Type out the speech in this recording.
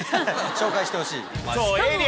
紹介してほしい。